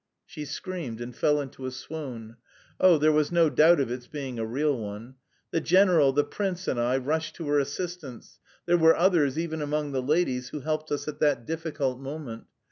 She screamed and fell into a swoon. (Oh, there was no doubt of its being a real one.) The general, the prince, and I rushed to her assistance; there were others, even among the ladies, who helped us at that difficult moment.